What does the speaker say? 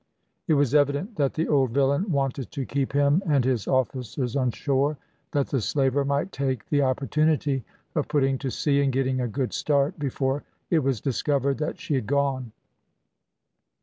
It was evident that the old villain wanted to keep him and his officers on shore, that the slaver might take the opportunity of putting to sea and getting a good start, before it was discovered that she had gone.